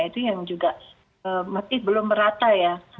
itu yang juga masih belum merata ya